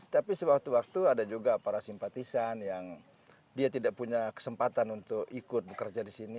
tapi sewaktu waktu ada juga para simpatisan yang dia tidak punya kesempatan untuk ikut bekerja di sini